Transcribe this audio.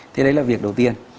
thế đấy là việc đầu tiên